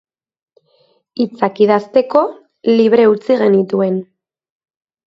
Hitzak idazteko, libre utzi genituen.